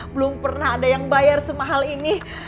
belum pernah ada yang bayar semahal ini